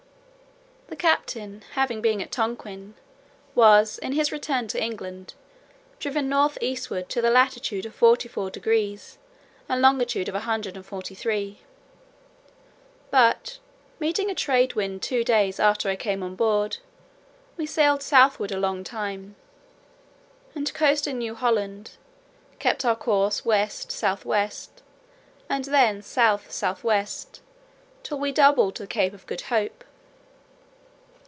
The captain having been at Tonquin, was, in his return to England, driven north eastward to the latitude of 44 degrees, and longitude of 143. But meeting a trade wind two days after I came on board him, we sailed southward a long time, and coasting New Holland, kept our course west south west, and then south south west, till we doubled the Cape of Good Hope.